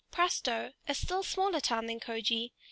* Prastoe, a still smaller town than Kjoge.